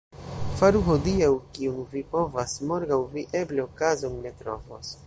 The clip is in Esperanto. Faru hodiaŭ, kion vi povas, — morgaŭ vi eble okazon ne trovos.